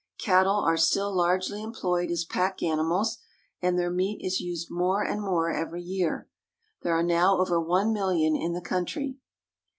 Cattle are still largely employed as pack animals, and their meat is used more and more every year. There are now over one million in the country.